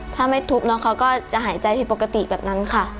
ถ้าไม่ทุบน้องเขาก็จะหายใจผิดปกติแบบนั้นค่ะ